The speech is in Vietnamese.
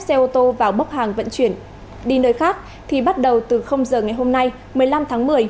xe ô tô vào bốc hàng vận chuyển đi nơi khác thì bắt đầu từ giờ ngày hôm nay một mươi năm tháng một mươi